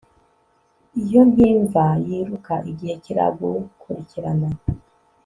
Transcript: iyo, nkimva yiruka, igihe kiragukurikirana